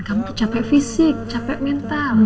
kamu capek fisik capek mental